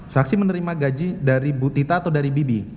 saksi menerima gaji dari bu tita atau dari bibi